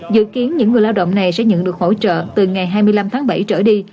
dự kiến những người lao động này sẽ nhận được hỗ trợ từ ngày hai mươi năm tháng bảy trở đi